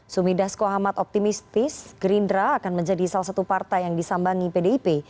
sumi dasko ahmad optimistis gerindra akan menjadi salah satu partai yang disambangi pdip